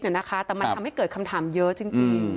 แต่มันทำให้เกิดคำถามเยอะจริง